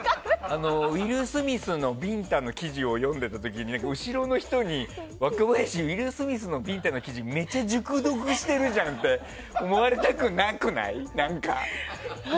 ウィル・スミスのビンタの記事を読んでた時に後ろの人に、若林ウィル・スミスのビンタの記事めっちゃ熟読してるじゃんって思われたくなくない？